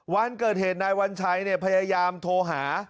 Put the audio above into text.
วันเกิดเหตุนายวัญชัยพยายามโทรหา